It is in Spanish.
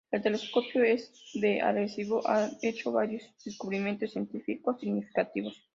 El telescopio de Arecibo ha hecho varios descubrimientos científicos significativos.